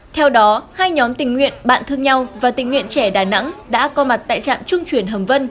theo đó hai nhóm tình nguyện bạn thương nhau và tình nguyện trẻ đà nẵng đã có mặt tại trạm trung chuyển hồng vân